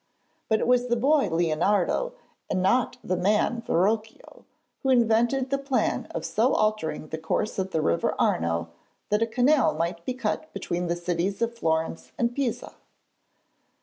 But it was the boy Leonardo, and not the man Verrocchio, who invented the plan of so altering the course of the river Arno that a canal might be cut between the cities of Florence and Pisa.